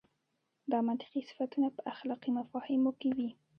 دا منطقي صفتونه په اخلاقي مفاهیمو کې وي.